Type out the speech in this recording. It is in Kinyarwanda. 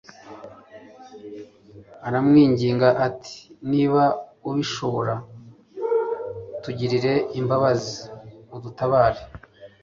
aramwinginga ati :« Niba ubishobora tugirire imbabazi, udutabare. »